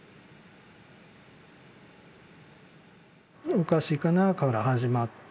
おかしいかなから始まって。